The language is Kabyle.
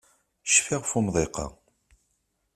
Cfiɣ ɣef umḍiq-a.